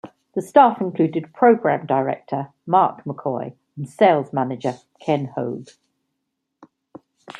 The staff included program director Marc McCoy and sales manager Ken Hoag.